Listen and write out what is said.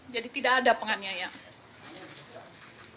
jadi tidak ada penganiayaan